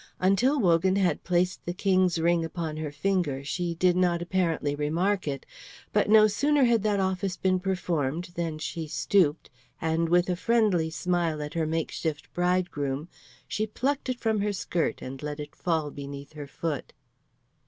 Until Wogan had placed the King's ring upon her finger, she did not apparently remark it; but no sooner had that office been performed than she stooped, and with a friendly smile at her makeshift bridegroom, she plucked it from her skirt and let it fall beneath her foot.